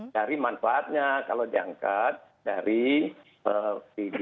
dari manfaatnya kalau diangkat dari tiga